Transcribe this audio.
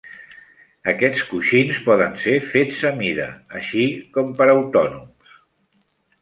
Aquests coixins poden ser fets a mida, així com per autònoms.